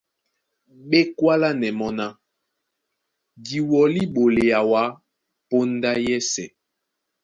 Ɓé kwálánɛ́ mɔ́ ná:Di wɔlí ɓolea wǎ póndá yɛ́sɛ̄.